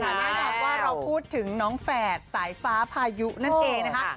แน่นอนว่าเราพูดถึงน้องแฝดสายฟ้าพายุนั่นเองนะคะ